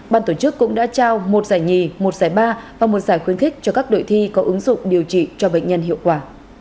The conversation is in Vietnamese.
ban tổ chức cũng đã trao một giải nhì một giải ba và một giải khuyến khích cho các đội thi có ứng dụng điều trị cho bệnh nhân hiệu quả